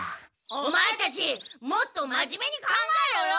オマエたちもっと真面目に考えろよ！